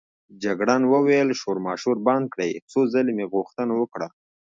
جګړن وویل: شورماشور بند کړئ، څو ځلې مې غوښتنه وکړه.